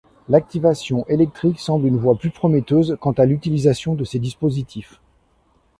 L'activation électrique semble une voie plus prometteuse quant à l'utilisation de ces dispositifs.